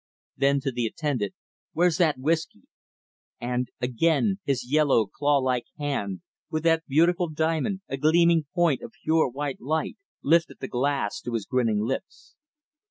Then to the attendant "Where's that whisky?" And, again, his yellow, claw like hand with that beautiful diamond, a gleaming point of pure, white light lifted the glass to his grinning lips.